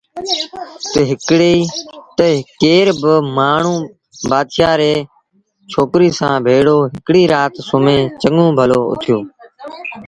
تا ڪير با مآڻهوٚٚݩ بآتشآ ريٚ ڇوڪريٚ سآݩ ڀيڙو هڪڙيٚ رآت سُمهي چڱون ڀلو اُٿيٚو